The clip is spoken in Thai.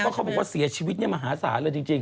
เขาบอกว่าเสียชีวิตมหาศาลเลยจริง